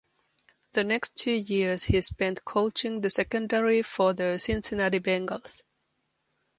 The next two years he spent coaching the secondary for the Cincinnati Bengals.